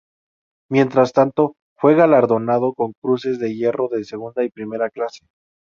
Mientras tanto, fue galardonado con cruces de hierro de segunda y primera clase.